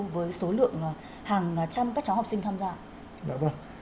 với số lượng hàng trăm các cháu học sinh tham gia